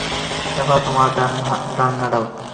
এবার তোমার ডানা নাড়াও।